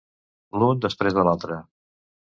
L'un després de l'altre.